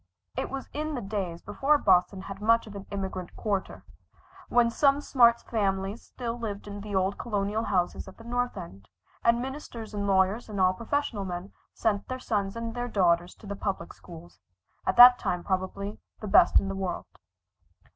It was in the days before Boston had much of an immigrant quarter, when some smart families still lived in the old Colonial houses at the North End, and ministers and lawyers and all professional men sent their sons and their daughters to the public schools, at that time probably the best in the world.